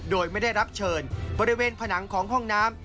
โดยไม่ได้รับเชิญบริเวณผนังของห้องน้ำ